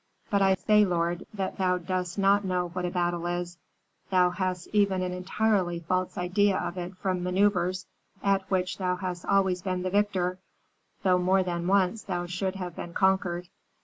"But I say, lord, that thou dost not know what a battle is; thou hast even an entirely false idea of it from manœuvres at which thou hast always been the victor, though more than once thou shouldst have been conquered."